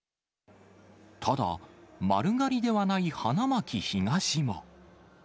ただ、丸刈りではない花巻東も。